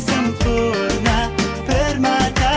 sekarang kamu istirahat ya